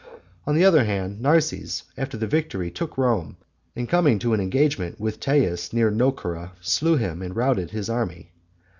On the other hand, Narses after the victory took Rome, and coming to an engagement with Teias near Nocera, slew him and routed his army.